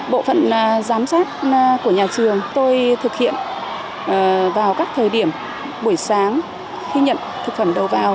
bộ phận giám sát của nhà trường tôi thực hiện vào các thời điểm buổi sáng khi nhận thực phẩm đầu vào